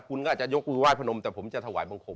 คุณก็อาจจะยกอุวายพระนมแต่ผมจะถวายบังคมนะครับ